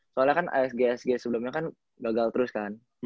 soalnya kan asg asg sebelumnya kan gagal terus kan